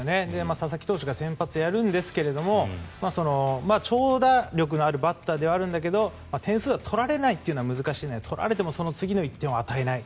佐々木投手が先発をやるんですが長打力のあるバッターではあるんですが点数は取られないというのは難しいので取られてもその次の１点を与えない。